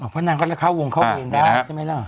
เพราะนั้นก็เข้าวงเข้าเรียนได้ใช่ไหมล่ะ